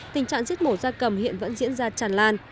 tình trạng giết mổ gia cầm hiện vẫn diễn ra chẳng lan